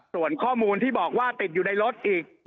ส่วนข้อมูลที่บอกว่าติดอยู่ในรถอีก